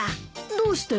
どうして？